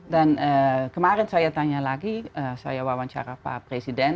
kemarin saya tanya lagi saya wawancara pak presiden